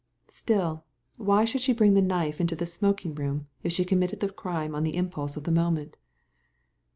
"Still, why should she bring the knife into the smoking room if she committed the crime on the impulse of the moment